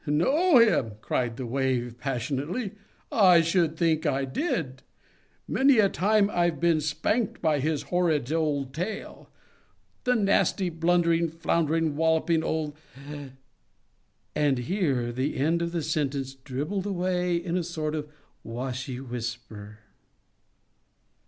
"Know him!" cried the Wave, passionately; "I should think I did! Many a time I've been spanked by his horrid old tail. The nasty, blundering, floundering, walloping old" and here the end of the sentence dribbled away in a sort of washy whisper.